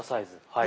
はい。